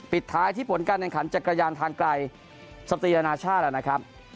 ปิดท้ายที่ผลการแข่งขันจักรยานทางไกลสตีอนาชาติแล้วนะครับ